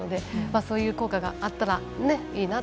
そういう効果があったらいいなと。